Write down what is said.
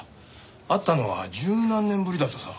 会ったのは十何年ぶりだとさ。